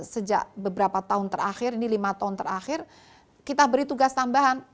sejak beberapa tahun terakhir ini lima tahun terakhir kita beri tugas tambahan